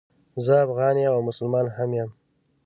زه افغان یم او مسلمان هم یم